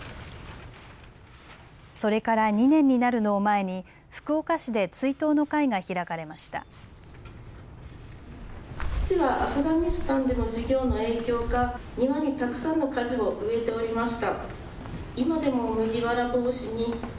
それから２年になるのを前に福岡市で追悼の会が開かれました。